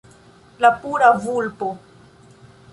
La pura vulpo